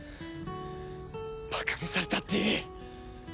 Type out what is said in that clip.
バカにされたっていい。